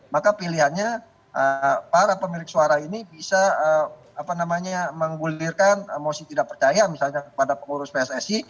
maka pilihannya para pemilik suara ini bisa menggulirkan emosi tidak percaya misalnya kepada pengurus pssi